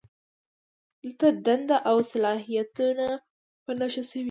دلته دندې او صلاحیتونه په نښه شوي وي.